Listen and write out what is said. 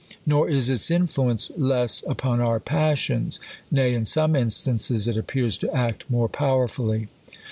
Nor is its influence less upon our passions ; nay, in some instances, it appears to act more power fully.